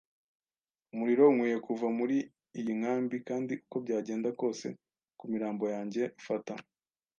umuriro - Nkwiye kuva muri iyi nkambi, kandi uko byagenda kose kumirambo yanjye, fata